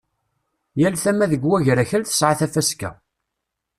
Yal tama deg wagrakal tesɛa tafaska.